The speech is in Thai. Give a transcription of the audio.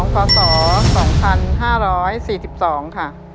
พศ๒๕๔๒ค่ะ